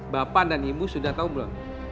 bapak dan ibu sudah tahu belum